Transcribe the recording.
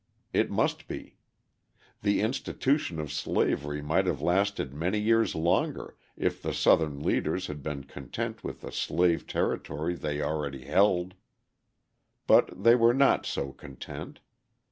It must be. The institution of slavery might have lasted many years longer if the Southern leaders had been content with the slave territory they already held. But they were not so content.